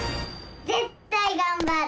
ぜったいがんばる！